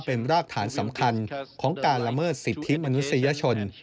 เป็นรากฐานสำคัญของการละเมิดสิทธิมนุษยชน